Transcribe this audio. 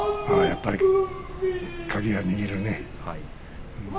やっぱり鍵は握るね。